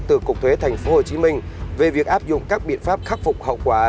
từ cục thuế thành phố hồ chí minh về việc áp dụng các biện pháp khắc phục hậu quả